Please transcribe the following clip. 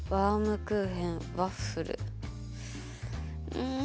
うん。